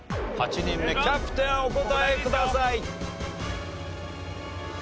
８人目キャプテンお答えください。